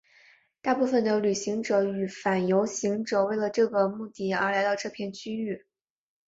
大部分的游行者与反游行者为了这个目的而来到这片区域。